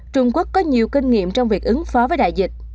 trung quốc có nhiều kinh nghiệm trong việc ứng phó với đại dịch